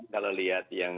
kalau lihat yang